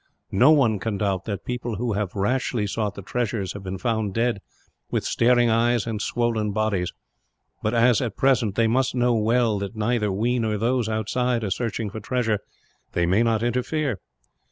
No one can doubt that people who have rashly sought the treasures have been found dead, with staring eyes and swollen bodies; but as, at present, they must know well that neither we nor those outside are searching for treasure, they may not interfere."